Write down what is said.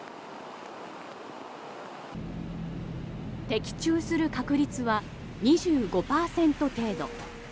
的中する確率は２５％程度。